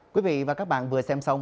quý vị và các bạn vừa xem xong